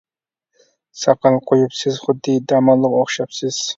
ساقال قۇيۇپ سىز خۇددى، داموللىغا ئوخشاپسىز.